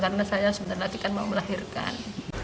karena saya sebenarnya akan mau melahirkan